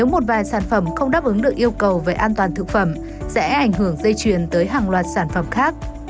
một vài sản phẩm không đáp ứng được yêu cầu về an toàn thực phẩm sẽ ảnh hưởng dây chuyền tới hàng loạt sản phẩm khác